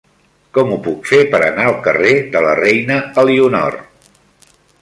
Com ho puc fer per anar al carrer de la Reina Elionor?